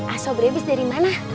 asobri abis dari mana